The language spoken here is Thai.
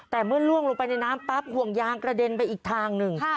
แต่เมื่อล่วงลงไปในน้ำปั๊บห่วงยางกระเด็นไปอีกทางหนึ่ง